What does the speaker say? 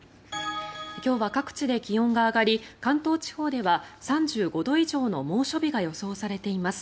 今日は各地で気温が上がり関東地方では３５度以上の猛暑日が予想されています。